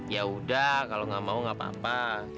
yaudah kalau nggak mau nggak apa apa